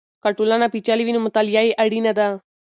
که ټولنه پېچلې وي نو مطالعه یې اړینه ده.